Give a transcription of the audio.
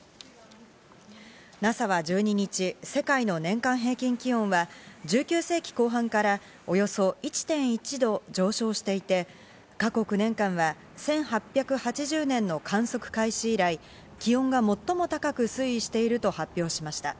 ＮＡＳＡは１２日、世界の年間平均気温は１９世紀後半からおよそ１．１度上昇していて、過去９年間は１８８０年の観測開始以来、気温が最も高く推移していると発表しました。